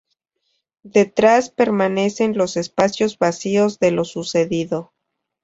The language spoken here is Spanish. Detrás permanecen los espacios vacíos de lo sucedido.